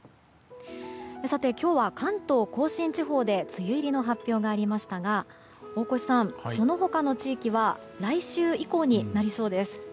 今日は関東・甲信地方で梅雨入りの発表がありましたが大越さん、その他の地域は来週以降になりそうです。